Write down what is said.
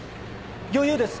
余裕です